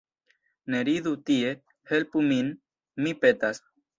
Ne ridu tie, helpu min, mi petas!